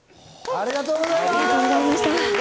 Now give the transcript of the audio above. ありがとうございます！